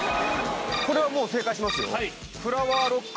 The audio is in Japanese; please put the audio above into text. これはもう正解しますよ。